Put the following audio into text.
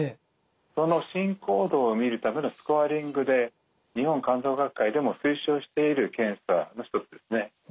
その進行度を見るためのスコアリングで日本肝臓学会でも推奨している検査の一つですね。